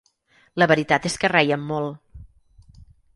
La veritat és que rèiem molt.